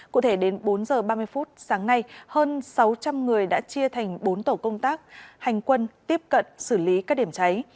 cụ thể đến bốn h ba mươi phút sáng nay hơn sáu trăm linh người đã chia thành bốn tổ công tác hành quân tiếp cận xử lý các điểm cháy